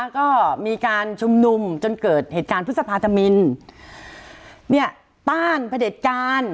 ก็มีการชุมนุมจนเกิดเหตุการณ์พุทธภาษามิลป้านเผด็จการ